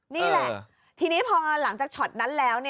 นี่แหละทีนี้พอหลังจากช็อตนั้นแล้ว